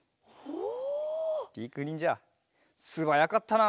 りくにんじゃすばやかったな。